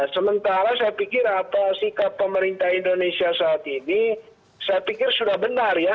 sementara saya pikir apa sikap pemerintah indonesia saat ini saya pikir sudah benar ya